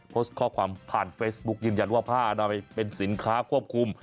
โพสต์ข้อความผ่านเฟซบุ๊กยืนยันว่าผ้าอนามัยเป็นสินค้าควบคุม